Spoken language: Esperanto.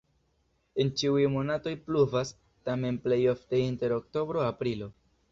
En ĉiuj monatoj pluvas, tamen plej ofte inter oktobro-aprilo.